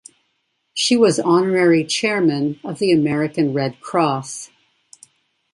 She was Honorary Chairman of the American Red Cross.